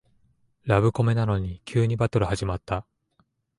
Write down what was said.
ラブコメなのに急にバトル始まった